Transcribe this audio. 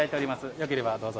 よければ、どうぞ。